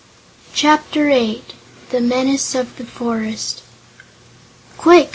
Chapter Eight The Menace of the Forest "Quick!"